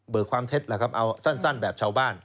ความเท็จล่ะครับเอาสั้นแบบชาวบ้าน